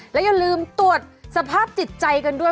และอย่าลืมตรวจสภาพจิตใจกันด้วย